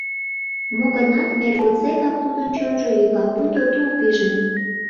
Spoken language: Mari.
Мо-гынат, эр годсекак тудын чонжо йӱла, пуйто тул пижын...